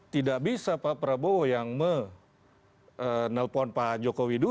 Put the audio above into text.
tidak bisa pak prabowo yang menelpon pak jokowi dulu